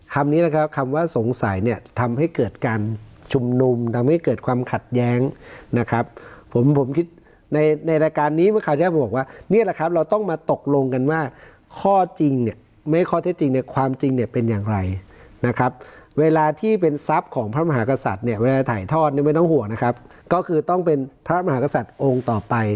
คำนี้นะครับคำว่าสงสัยเนี่ยทำให้เกิดการชุมนุมทำให้เกิดความขัดแย้งนะครับผมผมคิดในในรายการนี้เมื่อคราวที่ผมบอกว่านี่แหละครับเราต้องมาตกลงกันว่าข้อจริงเนี่ยไม่ข้อเท็จจริงเนี่ยความจริงเนี่ยเป็นอย่างไรนะครับเวลาที่เป็นทรัพย์ของพระมหากษัตริย์เนี่ยเวลาถ่ายทอดเนี่ยไม่ต้องห่วงนะครับก็คือต้องเป็นพระมหากษัตริย์องค์ต่อไป